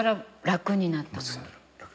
楽になった。